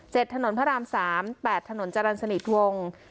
ถนนพระรามสามแปดถนนจรรย์สนิทวงศ์